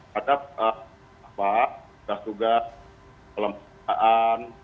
pada petugas petugas kelembagaan